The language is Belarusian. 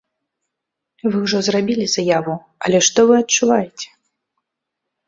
Вы ўжо зрабілі заяву, але што вы адчуваеце?